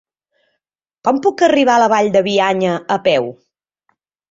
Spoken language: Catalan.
Com puc arribar a la Vall de Bianya a peu?